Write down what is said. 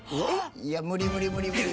いや無理無理無理無理！